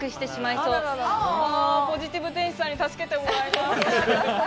ポジティブ天使さんに助けてもらいます。